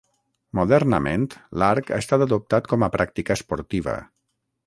Modernament l’arc ha estat adoptat com a pràctica esportiva.